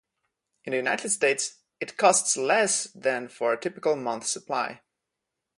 In the United States, it costs less than for a typical month supply.